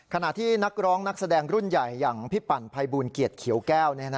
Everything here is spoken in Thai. ขณะที่นักร้องนักแสดงรุ่นใหญ่อย่างพี่ปั่นภัยบูลเกียรติเขียวแก้ว